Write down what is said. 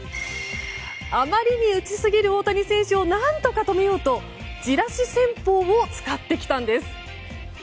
あまりに打ちすぎる大谷選手を何とか止めようとじらし戦法を使ってきたんです。